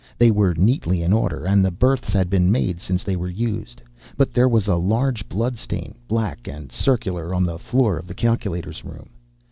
They were neatly in order, and the berths had been made since they were used. But there was a large bloodstain, black and circular, on the floor of the calculator's room.